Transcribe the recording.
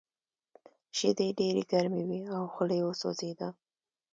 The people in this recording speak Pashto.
شیدې ډېرې ګرمې وې او خوله یې وسوځېده